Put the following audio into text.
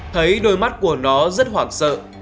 thấy đôi mắt của nó rất hoảng sợ